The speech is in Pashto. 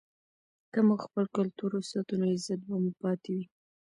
که موږ خپل کلتور وساتو نو عزت به مو پاتې وي.